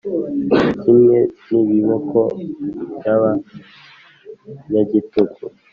kimwe n’ibiboko by’abanyagitugu,